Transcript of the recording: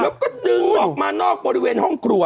แล้วก็ดึงออกมานอกบริเวณห้องครัว